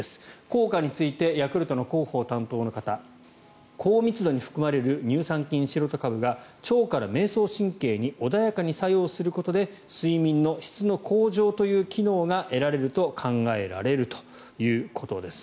効果についてヤクルトの広報担当の方高密度に含まれる乳酸菌シロタ株が腸から迷走神経に穏やかに作用することで睡眠の質の向上という機能が得られると考えられるということです。